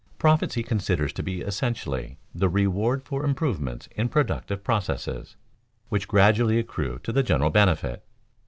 Profits he considers to be essentially the reward for improvements in productive processes, which gradually accrue to the general benefit.